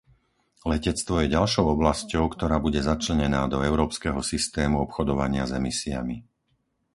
Letectvo je ďalšou oblasťou, ktorá bude začlenená do Európskeho systému obchodovania s emisiami.